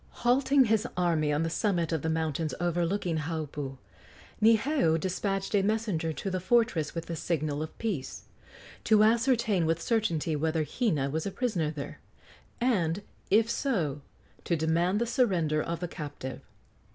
Halting his army on the summit of the mountains overlooking Haupu, Niheu despatched a messenger to the fortress with a signal of peace, to ascertain with certainty whether Hina was a prisoner there, and, if so, to demand the surrender of the captive.